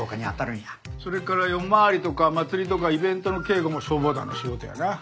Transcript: それから夜回りとか祭りとかイベントの警護も消防団の仕事やな。